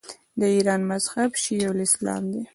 د ایران مذهب شیعه اسلام دی.